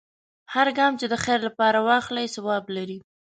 هر ګام چې د خیر لپاره واخلې، ثواب لري.